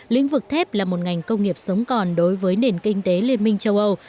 lĩnh vực thép là một ngành công nghiệp sống còn đối với nền kinh tế liên minh châu âu